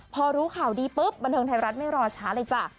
พอรู้ข่าวดีปุ๊บบันเทิงไทยรัฐไม่รอช้าเลยจ้ะ